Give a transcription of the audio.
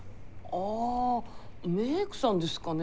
あメークさんですかね？